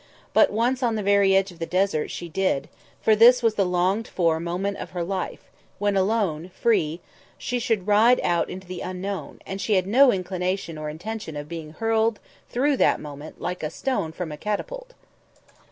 But once on the very edge of the desert she did, for this was the longed for moment of her life, when alone, free, she should ride out into the unknown; and she had no inclination or intention of being hurled through that moment like a stone from a catapult.